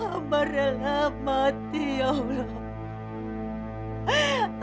amang rela mati ya allah